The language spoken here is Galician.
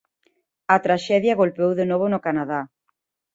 A traxedia golpeou de novo no Canadá.